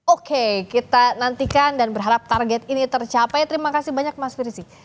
oke kita nantikan dan berharap target ini tercapai terima kasih banyak mas firsi